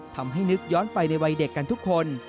นึกย้อนไปในวัยเด็กกันทุกคน